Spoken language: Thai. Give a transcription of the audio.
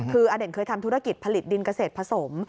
คืออเด่นเคยทำธุรกิจผลิตดินเกษตรผสม